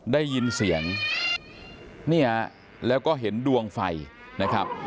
ได้ยินเสียงเนี่ยแล้วก็เห็นดวงไฟนะครับ